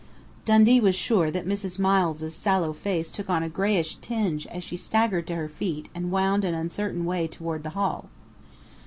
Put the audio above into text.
Dundee was sure that Mrs. Miles' sallow face took on a greyish tinge as she staggered to her feet and wound an uncertain way toward the hall.